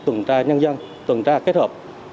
tuần tra nhân dân tuần tra kết hợp